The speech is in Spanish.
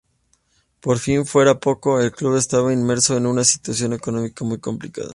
Por si fuera poco, el club estaba inmerso en una situación económica muy complicada.